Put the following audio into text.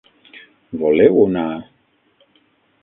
Voleu una??